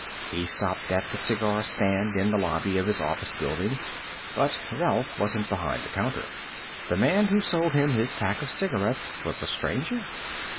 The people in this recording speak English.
He stopped at the cigar stand in the lobby of his office building, but Ralph wasn't behind the counter. The man who sold him his pack of cigarettes was a stranger.